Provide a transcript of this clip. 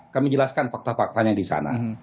kami jelaskan fakta faktanya di sana